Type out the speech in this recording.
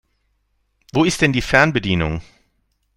Wo ist denn die Fernbedienung?